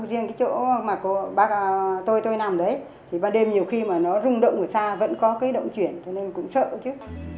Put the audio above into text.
riêng cái chỗ mà tôi nằm đấy thì ba đêm nhiều khi mà nó rung động ở xa vẫn có cái động chuyển cho nên cũng sợ chứ